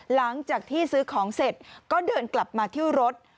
หลังจากที่ซื้อของเสร็จก็เดินกลับมาที่รถ